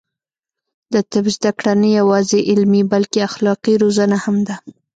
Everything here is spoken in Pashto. د طب زده کړه نه یوازې علمي، بلکې اخلاقي روزنه هم ده.